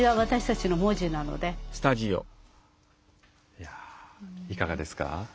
いやいかがですか？